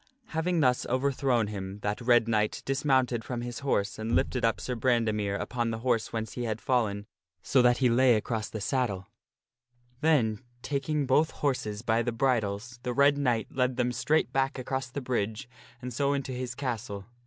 " Having thus overthrown him, that Red Knight dismounted from his horse and lifted up Sir Brandemere upon the horse whence he had fallen 2 i8 THE STORY OF SIR PELLIAS so that he lay across the saddle. Then taking both horses by the bridles the Red Knight led them straight back across the bridge and so into his castle.